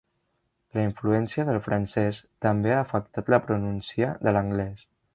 La influència del francès també ha afectat la pronúncia de l'anglès.